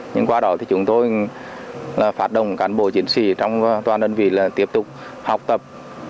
nhưng qua đó thì chúng tôi phát động cán bộ chiến sĩ trong toàn đơn vị là tiếp tục học tập